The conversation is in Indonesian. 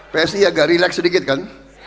psi agak relax sedikit kan